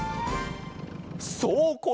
そうこれ！